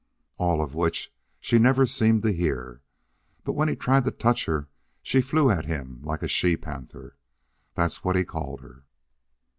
All of which she never seemed to hear. But when he tried to touch her she flew at him like a she panther. That's what he called her.